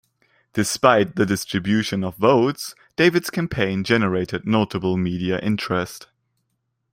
Despite the distribution of votes, David's campaign generated notable media interest.